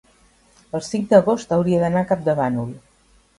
el cinc d'agost hauria d'anar a Campdevànol.